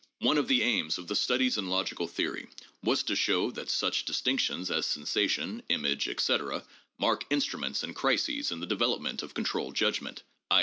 "One of the aims of the 'Studies in Logical Theory' was to show ... that ... such dis tinctions as sensation, image, etc., mark instruments and crises in the development of controlled judgment, i.